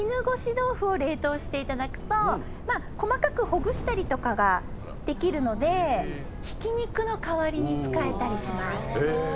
豆腐を冷凍していただくと細かくほぐしたりとかができるのでひき肉の代わりに使えたりします。